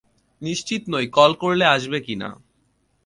নিশ্চিত নই কল করলে আসবে কিনা।